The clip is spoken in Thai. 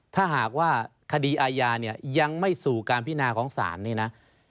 ถ้าหากว่าคดีอาญาเนี่ยยังไม่สู่การพินาของศาลเนี่ยนะ